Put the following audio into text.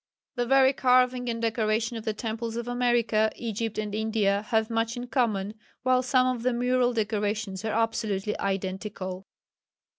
The very carving and decoration of the temples of America, Egypt and India have much in common, while some of the mural decorations are absolutely identical.